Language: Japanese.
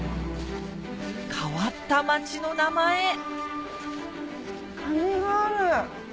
変わった町の名前鐘がある！